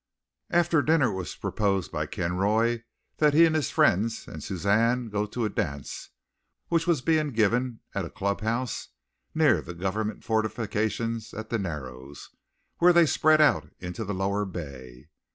After dinner it was proposed by Kinroy that he and his friends and Suzanne go to a dance which was being given at a club house, near the government fortifications at The Narrows, where they spread out into the lower bay.